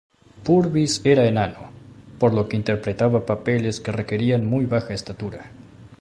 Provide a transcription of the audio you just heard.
Purvis era enano, por lo que interpretaba papeles que requerían muy baja estatura.